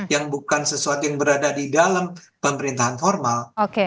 yang bukan sesuatu yang berada di dalam pemerintahan formal